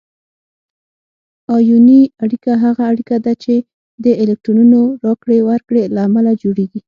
آیوني اړیکه هغه اړیکه ده چې د الکترونونو راکړې ورکړې له امله جوړیږي.